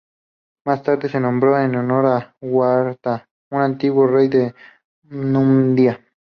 Más tarde se nombró en honor de Jugurta, un antiguo rey de Numidia.